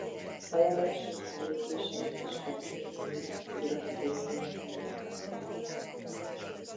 A legelső fellépéseik is az imént említett szórakozóhelyen zajlottak le.